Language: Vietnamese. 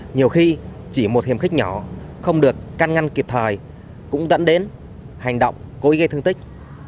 nhiều khi chỉ một hiểm khích nhỏ không được căn ngăn kịp thời cũng dẫn đến hành động cố ý gây thương tích